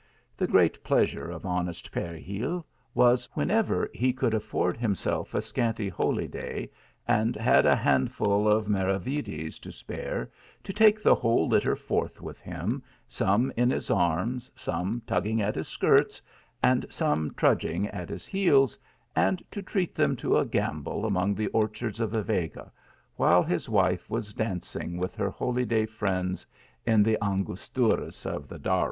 The great pleasure of honest Peregil was, whenever he could afford him self a scanty holyday and had a handful of marave ilies to spare, to take the whole litter forth with him, some in his arms, some tugging at his skirts, and some trudging at his heels, and to treat them to a irambol among the orchards of the Vega, while his v/ife was dancing with her holyday friends in the Angosturas of the Darro.